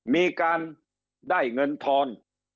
มีการได้เงินทอน